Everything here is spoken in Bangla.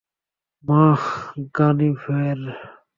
মা, গানিভ্যার!